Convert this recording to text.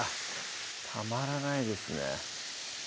たまらないですね